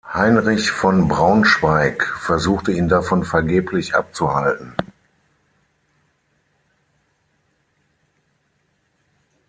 Heinrich von Braunschweig versuchte ihn davon vergeblich abzuhalten.